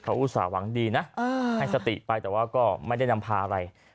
เขาอุตส่าหหวังดีนะให้สติไปแต่ว่าก็ไม่ได้นำพาอะไร